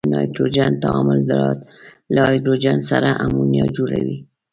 د نایتروجن تعامل له هایدروجن سره امونیا جوړوي.